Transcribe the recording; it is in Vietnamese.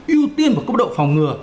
ưu tiên là cấp độ phòng ngừa